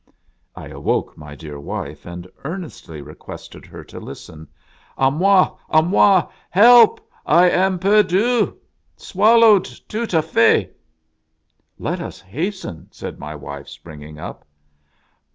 I awoke my dear wife and earnestly requested her to listen. " A moi ! a moi ! Help ! I am perdu ! Swallowed tout a fait!" " Let us hasten !" said my wife springing up.